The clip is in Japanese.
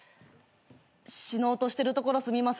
死のうとしてるところすみません。